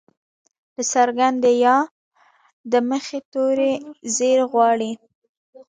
د څرګندي ي د مخه توری زير غواړي.